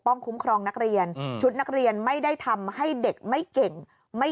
คุ้มครองนักเรียนชุดนักเรียนไม่ได้ทำให้เด็กไม่เก่งไม่